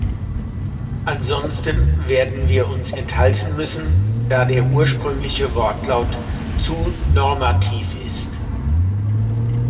Ansonsten werden wir uns enthalten müssen, da der ursprüngliche Wortlaut zu normativ ist.